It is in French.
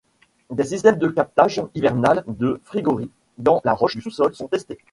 Des systèmes de captage hivernal de frigories dans la roche du sous-sol sont testés.